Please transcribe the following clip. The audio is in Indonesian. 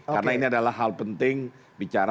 karena ini adalah hal penting bicara